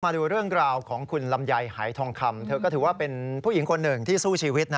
มาดูเรื่องราวของคุณลำไยหายทองคำเธอก็ถือว่าเป็นผู้หญิงคนหนึ่งที่สู้ชีวิตนะ